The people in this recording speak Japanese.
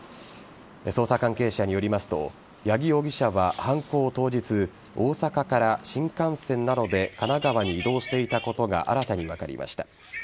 捜査関係者によりますと八木容疑者は犯行当日大阪から新幹線などで神奈川に移動していたことが新たに分かりました。